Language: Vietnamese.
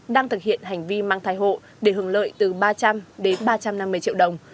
đang thực hiện hành vi mang thai hộ để hưởng lợi từ ba trăm linh đến ba trăm năm mươi triệu đồng